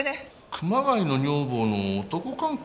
熊谷の女房の男関係？